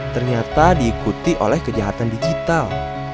ternyata diikuti oleh kejahatan digital